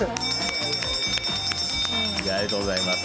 ありがとうございます。